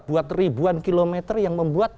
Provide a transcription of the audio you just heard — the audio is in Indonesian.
buat ribuan kilometer yang membuat